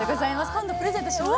今度プレゼントします。